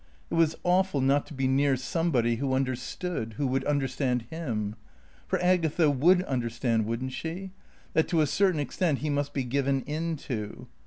It was awful not to be near somebody who understood, who would understand him. For Agatha would understand wouldn't she? that to a certain extent he must be given in to?